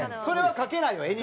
それは描けないよ